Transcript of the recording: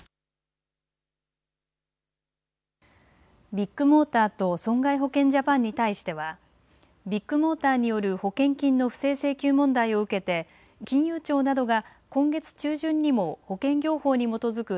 ビッグモーターと損害保険ジャパンに対してはビッグモーターによる保険金の不正請求問題を受けて金融庁などが今月中旬にも保険業法に基づく